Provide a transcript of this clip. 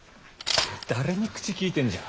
誰に口利いてんじゃ。